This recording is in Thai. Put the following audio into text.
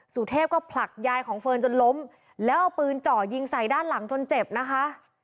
สุเทพก็ผลักยายของเฟิร์นจนล้มแล้วเอาปืนเจาะยิงใส่ด้านหลังจนเจ็บนะคะ